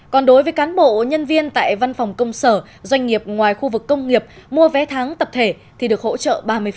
còn đối với cán bộ nhân viên tại văn phòng công sở doanh nghiệp ngoài khu vực công nghiệp mua vé tháng tập thể thì được hỗ trợ ba mươi